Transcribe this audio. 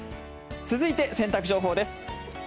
続いて、洗濯情報です。